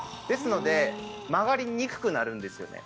ですので曲がりにくくなるんですよ。